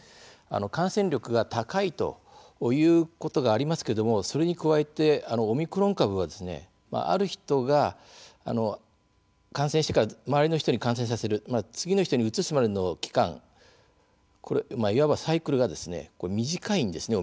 感染力が高いということがありますけれどもそれに加えて、オミクロン株はある人が感染してから周りの人に感染させる次の人にうつすまでの期間いわばサイクルが短いんですね